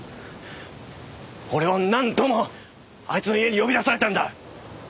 俺は何度もあいつの家に呼び出されたんだ。